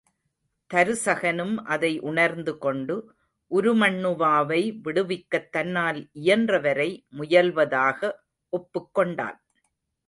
தருசகனும் அதை உணர்ந்துகொண்டு உருமண்ணுவாவை விடுவிக்கத் தன்னால் இயன்றவரை முயல்வதாக ஒப்புக் கொண்டான்.